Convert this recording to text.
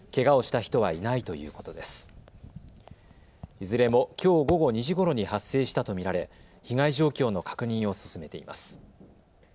いずれもきょう午後２時ごろに発生したと見られ被害状況の確認を進めています。